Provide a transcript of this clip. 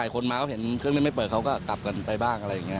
คนมาเขาเห็นเครื่องเล่นไม่เปิดเขาก็กลับกันไปบ้างอะไรอย่างนี้